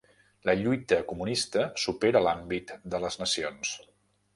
La lluita comunista supera l'àmbit de les nacions.